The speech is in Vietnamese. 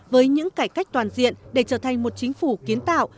với những cải cách toàn diện để trở thành một chính phủ kiến tạo